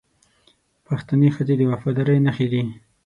پښتنې ښځې د وفادارۍ نښې دي